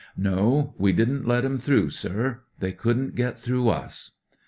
"No, we didn't let *em through, sir; they couldn't get through us."